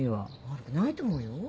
悪くないと思うよ。